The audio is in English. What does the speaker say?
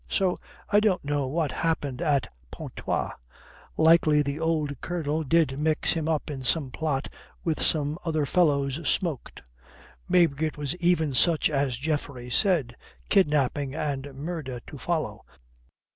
So I don't know what happened at Pontoise. Likely the old Colonel did mix him up in some plot which some other fellows smoked. Maybe it was even such as Geoffrey said, kidnapping and murder to follow.